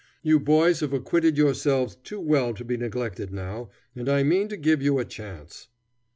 You boys have acquitted yourselves too well to be neglected now, and I mean to give you a chance."